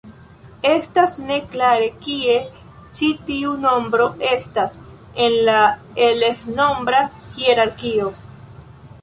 Estas ne klare kie ĉi tiu nombro estas en la alef-nombra hierarkio.